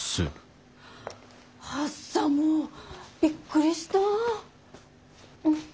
はっさもうびっくりした。